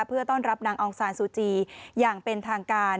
เพื่อต้อนรับนางองซานซูจีอย่างเป็นทางการ